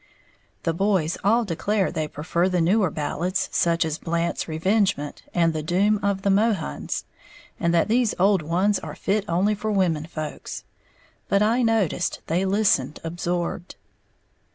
The boys all declare they prefer the newer ballads, such as "Blant's Revengement," and "The Doom of the Mohuns," and that these old ones are fit only for women folks; but I noticed they listened absorbed.